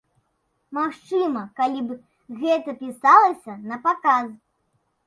Магчыма, калі б гэта пісалася напаказ.